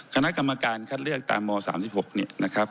คณะกรรมการคัดเลือกตามม๓๖เนี่ยนะครับ